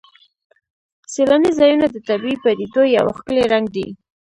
سیلاني ځایونه د طبیعي پدیدو یو ښکلی رنګ دی.